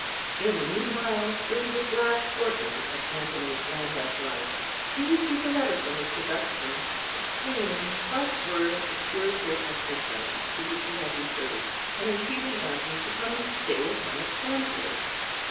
In the meanwhile, during this last fortnight of Anthony's Lambeth life, he received a letter from Mr. Buxton, explaining what were the Spiritual Exercises to which he had referred, and entreating Anthony to come and stay with him at Stanfield.